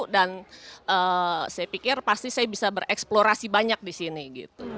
dan saya pikir pasti saya bisa bereksplorasi banyak disini gitu